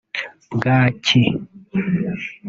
bwaki